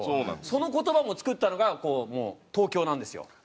その言葉も作ったのがもう東京なんですよ。